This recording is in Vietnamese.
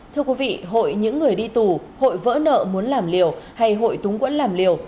thưa quý vị hội những người đi tù hội vỡ nợ muốn làm liều hay hội túng quẫn làm liều